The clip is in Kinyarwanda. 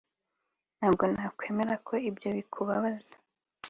ntabwo nakwemera ko ibyo bikubabaza